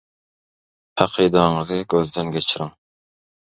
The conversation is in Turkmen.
Hakydaňyzy gözden geçiriň.